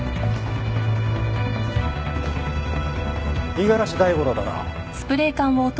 五十嵐大五郎だな？